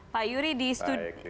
pak yury di studio